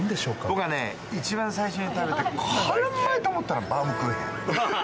僕はね、一番最初に食べて、これうまいと思ったのは、バウムクーヘン。